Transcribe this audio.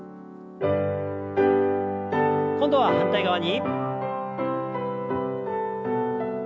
今度は反対側に。